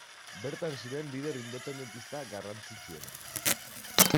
Bertan ziren lider independentista garrantzitsuenak.